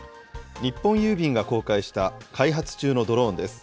日本郵便が公開した、開発中のドローンです。